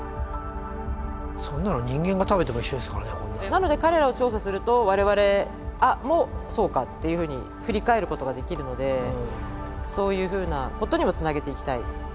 なので彼らを調査すると我々もそうかっていうふうに振り返ることができるのでそういうふうなことにもつなげていきたい。